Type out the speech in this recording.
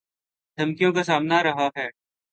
دھمکیوں کا سامنا رہا ہے